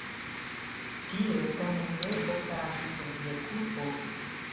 Tio tamen ne okazis per via kulpo?